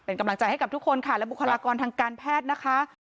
เป็นกำลังใจให้กับทุกคนค่ะและบุคลากรทางการแพทย์นะคะ